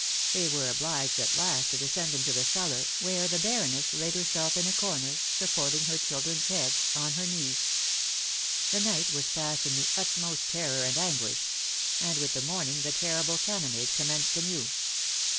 They were obliged at last to descend into the cellar, where the Baroness laid herself in a corner, supporting her children's heads on her knees. The night was passed in the utmost terror and anguish; and with the morning the terrible cannonade commenced anew.